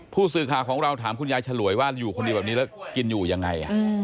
ผู้สื่อข่าวของเราถามคุณยายฉลวยว่าอยู่คนเดียวแบบนี้แล้วกินอยู่ยังไง